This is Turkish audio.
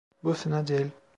Bu fena değil.